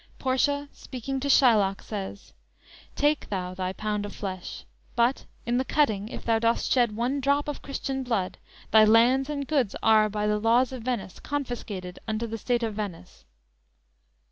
"_ Portia, speaking to Shylock, says: _"Take thou thy pound of flesh; But, in the cutting, if thou dost shed One drop of Christian blood, thy lands and goods Are, by the laws of Venice, confiscated Unto the State of Venice!"